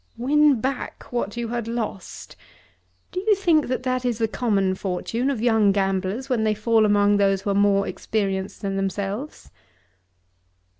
"Win back what you had lost! Do you think that that is the common fortune of young gamblers when they fall among those who are more experienced than themselves?"